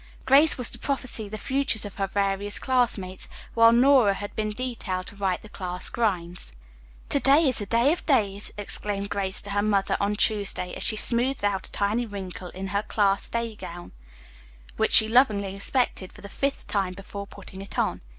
Grace was to prophesy the futures of her various classmates, while Nora had been detailed to write the class grinds. "To day is the day of days," exclaimed Grace to her mother on Tuesday, as she smoothed out a tiny wrinkle in her class day gown, which she lovingly inspected for the fifth time before putting it on.